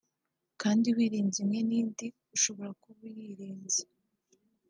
kandi wirinze imwe n’indi ushobora kuba uyirinze